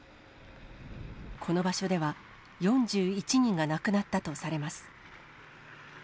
この場所では、４１人が亡くなったとされます。